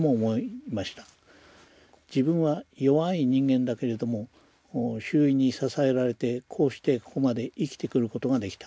自分は弱い人間だけれども周囲に支えられてこうしてここまで生きてくることができた。